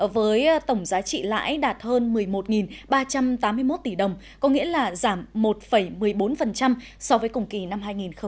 với tổng giá trị lãi đạt hơn một mươi một ba trăm tám mươi một tỷ đồng có nghĩa là giảm một một mươi bốn so với cùng kỳ năm hai nghìn một mươi chín